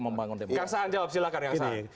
membangun demokrasi kang saan jawab silahkan